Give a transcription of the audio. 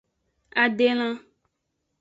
Adelan.